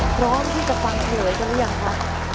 พร้อมที่จะฟังเฉลยกันหรือยังคะ